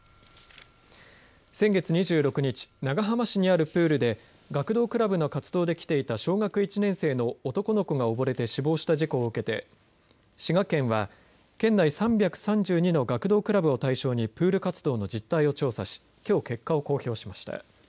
先月２６日、長浜市にあるプールで学童クラブの活動で来ていた小学１年生の男の子が溺れて死亡した事故を受けて滋賀県は県内３３２の学童クラブを対象にプール活動の実態を調査しきょう結果を公表しました。